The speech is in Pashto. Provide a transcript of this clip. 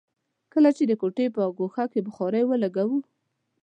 کله چې د کوټې په ګوښه کې بخارۍ لګوو.